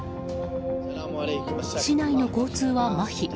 市内の交通はまひ。